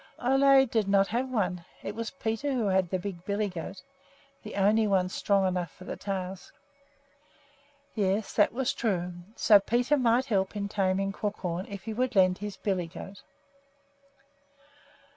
Ole did not have such a one. It was Peter who had the big billy goat, the only one strong enough for the task. Yes, that was true; so Peter might help in taming Crookhorn if he would lend his billy goat.